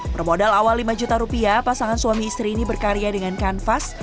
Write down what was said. bermodal awal lima juta rupiah pasangan suami istri ini berkarya dengan kanvas